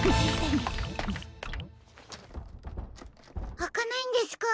あかないんですか？